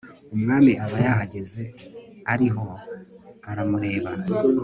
umwami aba yahageze ariho aramureba